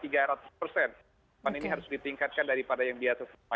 karena ini harus ditingkatkan daripada yang biasa